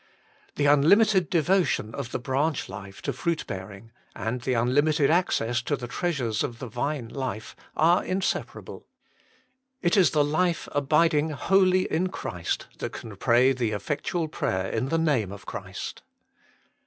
The un limited devotion of the branch life to fruit bearing, and the unlimited access to the treasures of the Vine life, are inseparable. It is the life abiding wholly in Christ that can pray the effectual prayer in the name of Christ.